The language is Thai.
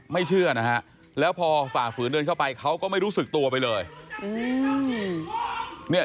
ไม่เชื่อนะครับแล้วพอฝากฝืนเดินเข้าไปเขาก็ไม่รู้สึกตัวไปเลย